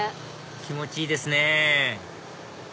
気持ちいいですね